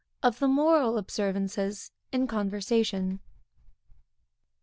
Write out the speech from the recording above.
_Of the Moral Observances in Conversation.